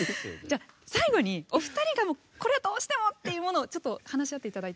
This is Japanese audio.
最後にお二人がこれをどうしてもというものをちょっと話し合っていただいて。